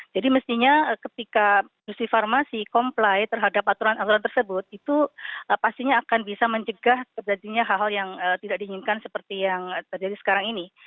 jadi mestinya ketika industri farmasi comply terhadap aturan aturan tersebut itu pastinya akan bisa menjegah kejadiannya hal hal yang tidak diinginkan seperti yang terjadi sekarang ini